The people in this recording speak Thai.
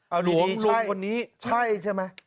เอาดีใช่ใช่ใช่ใช่